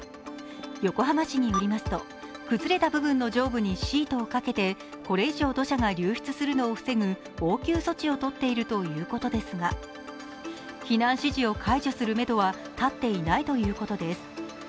横浜市によりますと、崩れた部分の上部にシートをかけてこれ以上土砂が流出するのを防ぐ応急措置を取っているということですが、避難指示を解除するめどは立っていないということです。